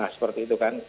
seperti itu kan